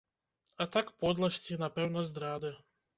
А так подласці, напэўна, здрады.